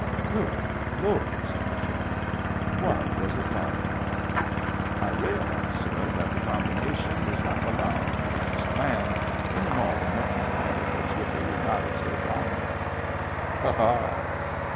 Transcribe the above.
"Good Lord!" said the General. "What was it like ?"" I realized, sir, that the combination does not belong in Nature's plan, any more than mixing politics with the United States Army." " Ha, ha